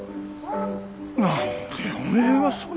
何でおめえはそねん。